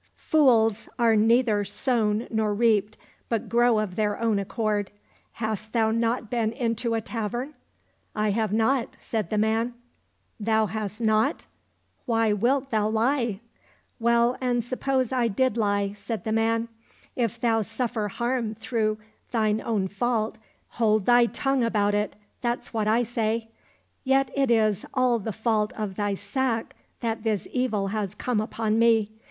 Fools are neither sown nor reaped, but grow of their own accord — hast thou not been into a tavern ?"—" I have not," said the man. —" Thou hast not } Why wilt thou He ?"—" Well, and suppose I did lie ?" said the man ; "if thou suffer harm through thine own fault, hold thy tongue about it, that's what I say. Yet it is all the fault of thy sack that this evil has come upon me.